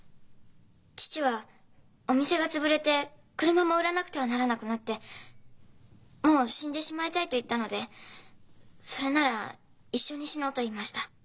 父はお店が潰れて車も売らなくてはならなくなって「もう死んでしまいたい」と言ったので「それなら一緒に死のう」と言いました。